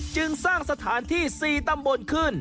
จึงสร้างสถานที่๔ตำบลขึ้น